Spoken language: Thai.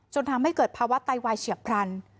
ทำให้เกิดภาวะไตวายเฉียบพลัน